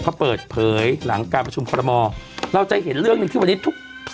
เขาเปิดเผยหลังการประชุมคอรมอเราจะเห็นเรื่องหนึ่งที่วันนี้ทุก